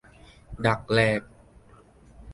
ดักแหลก